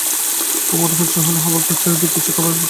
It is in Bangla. কুমুর বড়ো ইচ্ছে হল হাবলুকে কিছু দেয়, খাবার কিম্বা খেলার জিনিস।